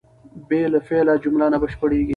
بې له فعله جمله نه بشپړېږي.